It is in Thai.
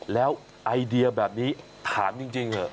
แล้วไอเดียแบบนี้ถามจริงเหรอพี่คิดเองเหรอ